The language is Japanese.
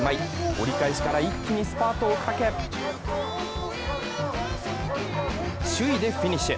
折り返しから一気にスパートをかけ首位でフィニッシュ。